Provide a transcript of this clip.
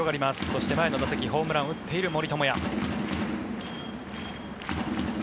そして前の打席ホームランを打っている森友哉。